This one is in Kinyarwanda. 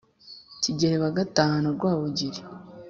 kigeli wa gatanu rwabugili